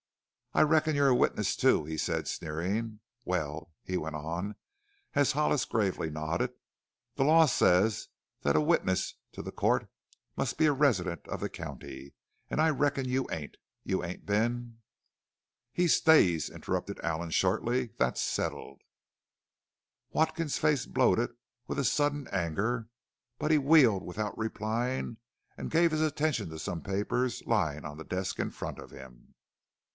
"I reckon you're a witness, too," he said, sneering. "Well," he went on as Hollis gravely nodded, "the law says that a witness to the count must be a resident of the county. An' I reckon you ain't. You ain't been " "He stays," interrupted Allen, shortly. "That's settled." Watkins's face bloated with a sudden anger, but he wheeled without replying and gave his attention to some papers lying on the desk in front of him.